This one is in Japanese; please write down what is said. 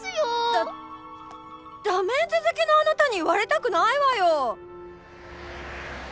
ダッダメンズ好きのあなたに言われたくないわよ！